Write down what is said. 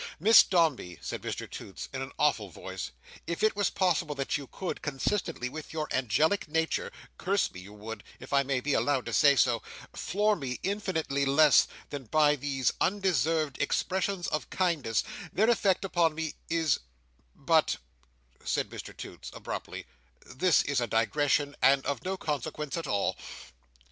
"Miss Dombey," said Mr Toots, in an awful voice, "if it was possible that you could, consistently with your angelic nature, Curse me, you would—if I may be allowed to say so—floor me infinitely less, than by these undeserved expressions of kindness Their effect upon me—is—but," said Mr Toots, abruptly, "this is a digression, and of no consequence at all."